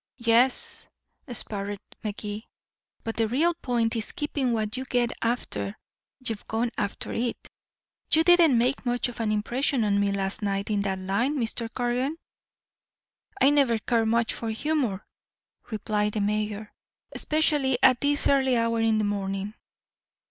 "Yes," sparred Magee, "but the real point is keeping what you get after you've gone after it. You didn't make much of an impression on me last night in that line, Mr. Cargan." "I never cared much for humor," replied the mayor, "especially at this early hour of the morning."